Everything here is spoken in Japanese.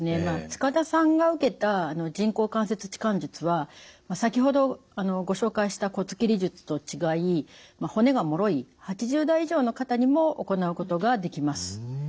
塚田さんが受けた人工関節置換術は先ほどご紹介した骨切り術と違い骨がもろい８０代以上の方にも行うことができます。